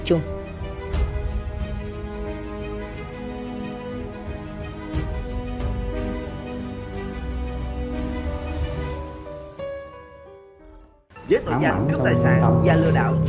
tôi muốn tiêu thú